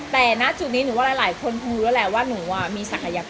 แต่หน้าจุดนี้หลายคนผู้แล้วว่าหนูมีสังใยภาพ